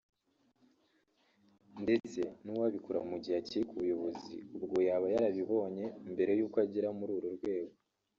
ndetse n’uwabikora mu gihe akiri ku buyobozi ubwo yaba yarayibonye mbere y’uko agera muri uru rwego